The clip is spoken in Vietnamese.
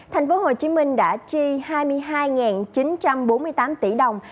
thành phố hồ chí minh đã tri hai mươi hai chín trăm bốn mươi tám tỷ đồng